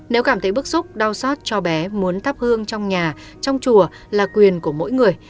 nếu cảm thấy bức xúc đau xót cho bé muốn thắp hương trong nhà trong chùa là quyền của mỗi người